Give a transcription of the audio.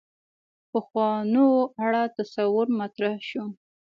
پخوانو اړه تصور مطرح شو.